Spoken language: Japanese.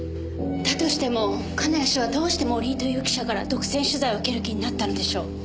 だとしても金谷氏はどうして森井という記者から独占取材を受ける気になったのでしょう？